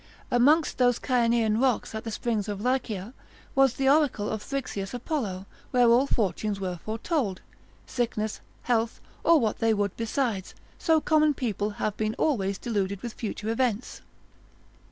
Amongst those Cyanean rocks at the springs of Lycia, was the oracle of Thrixeus Apollo, where all fortunes were foretold, sickness, health, or what they would besides: so common people have been always deluded with future events.